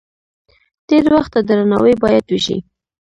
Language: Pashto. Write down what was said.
تیر وخت ته درناوی باید وشي.